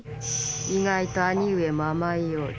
意外と兄上も甘いようで。